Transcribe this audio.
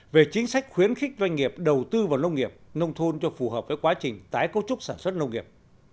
về chính sách khuyến khích doanh nghiệp đầu tư vào nông nghiệp nông thôn cho phù hợp với quá trình tái cấu trúc sản xuất nông nghiệp